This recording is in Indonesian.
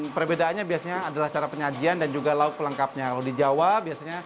perbedaannya biasanya adalah cara penyajian dan juga laut kelengkapnya di jawa biasanya